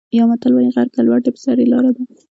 یو متل وايي: غر که لوړ دی په سر یې لاره ده.